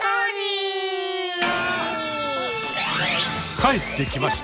帰ってきました